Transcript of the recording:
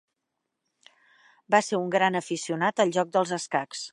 Va ser un gran aficionat al joc dels escacs.